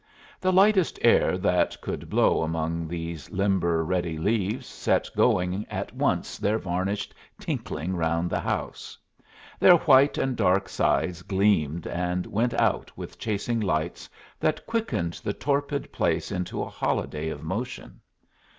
The lightest air that could blow among these limber, ready leaves set going at once their varnished twinkling round the house. Their white and dark sides gleamed and went out with chasing lights that quickened the torpid place into a holiday of motion.